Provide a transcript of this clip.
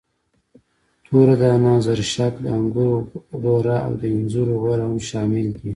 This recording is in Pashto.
توره دانه، زرشک، د انګورو غوره او د انځرو غوره هم شامل دي.